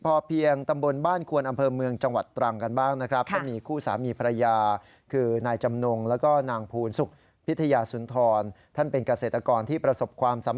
พอเพียงตำบลบ้านควนอำเภอเมืองจังหวัดตรังกันบ้างนะครับ